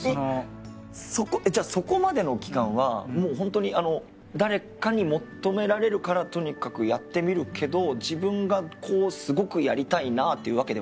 じゃあそこまでの期間はホントに誰かに求められるからとにかくやってみるけど自分がすごくやりたいわけではなくってこと？